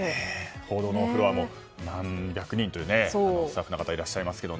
報道フロアも何百人というスタッフの方いらっしゃいますけど。